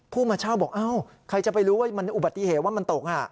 ผู้มาเช่าบอกเอ้าใครจะไปรู้ว่ามันอุบัติเหตุว่ามันตก